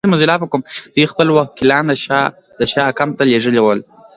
دوی خپل وکیلان د شاه کمپ ته لېږلي ول.